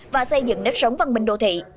và xây dựng nếp sống văn minh đô thị